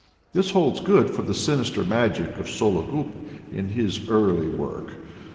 This holds good for the sinister magic of Sologub in his early work.